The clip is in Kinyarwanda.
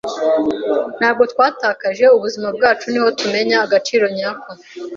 Ntabwo twatakaje ubuzima bwacu niho tumenya agaciro nyako.